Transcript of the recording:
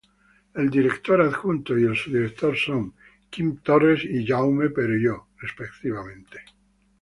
El director adjunto y el subdirector son Quim Torres y Jaume Perelló, respectivamente.